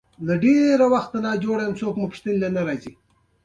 یاقوت د افغانستان د ناحیو ترمنځ تفاوتونه رامنځ ته کوي.